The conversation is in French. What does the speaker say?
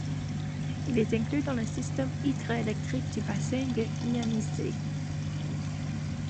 Il est inclus dans le système hydroélectrique du bassin de l'Ienisseï.